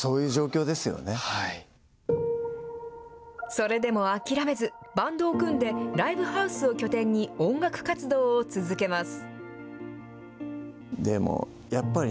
それでもあきらめず、バンドを組んでライブハウスを拠点に音楽活動を続けます。